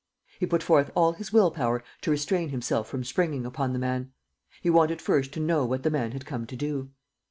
He put forth all his will power to restrain himself from springing upon the man. He wanted first to know what the man had come to do.